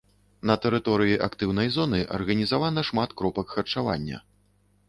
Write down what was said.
На тэрыторыі актыўнай зоны арганізавана шмат кропак харчавання.